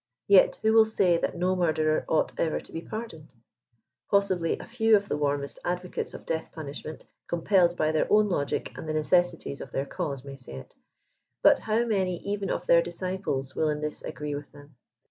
Vet who will day that no murderer ought ever to be pardoned ? Possibly a few of the warm est advocates of death punishment, compelled by their own logic and the necessities of their cause, may say it; but how many even of their disciples will in this agree with them